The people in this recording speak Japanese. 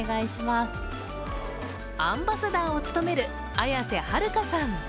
アンバサダーを務める綾瀬はるかさん。